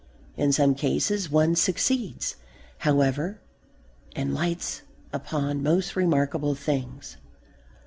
In some cases one succeeds, however, and lights upon most remarkable things.